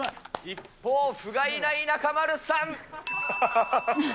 一方、ふがいない中丸さん。